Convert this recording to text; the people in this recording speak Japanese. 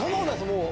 もう。